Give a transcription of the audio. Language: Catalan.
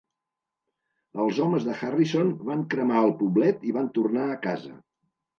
Els homes de Harrison van cremar el poblet i van tornar a casa.